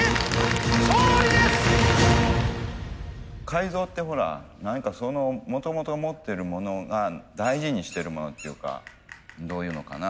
改造ってほら何かそのもともと持ってるものが大事にしてるものっていうかどういうのかな。